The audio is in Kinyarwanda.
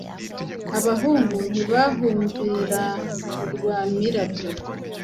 Abahungu ntibahumbira urwa Mirabyo